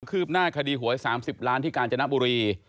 ืบหน้าคดีหวย๓๐ล้านที่กาญจนบุรี